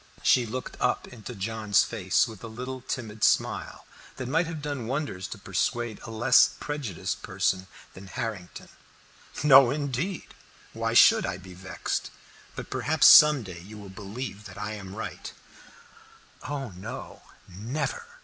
She looked up into John's face with a little timid smile that might have done wonders to persuade a less prejudiced person than Harrington. "No indeed! why should I be vexed? But perhaps some day you will believe that I am right." "Oh no, never!"